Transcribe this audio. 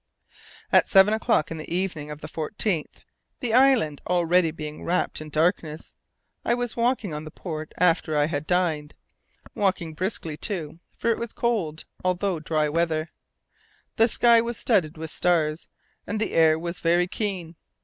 At seven o'clock in the evening of the 14th of August, the island being already wrapped in darkness, I was walking on the port after I had dined, walking briskly too, for it was cold, although dry weather. The sky was studded with stars and the air was very keen.